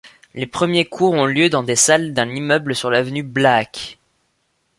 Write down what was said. Les premiers cours ont lieu dans des salles d'un immeuble sur l'avenue Blaak.